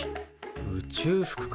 宇宙服か。